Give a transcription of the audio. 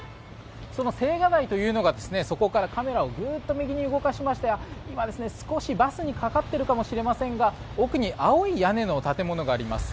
その青瓦台というのがそこからカメラをグッと右に動かしまして今、少しバスにかかっているかもしれませんが奥に青い屋根の建物があります。